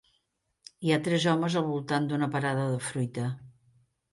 Hi ha tres homes al voltant d'una parada de fruita.